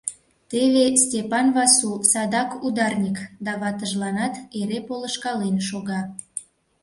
Теве Степан Васу садак ударник да ватыжланат эре полышкален шога...